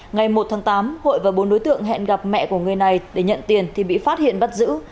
ngày một tháng tám hội và bốn đối tượng hẹn gặp mẹ của người này để nhận tiền thì bị phát hiện bắt giữ